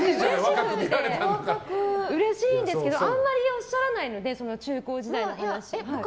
うれしいんですけどあんまりおっしゃらないので中高時代の話。